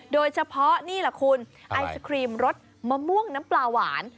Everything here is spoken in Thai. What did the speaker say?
โดยเฉพาะนี่แหละคุณไอศครีมรสมะม่วงน้ำปลาหวาน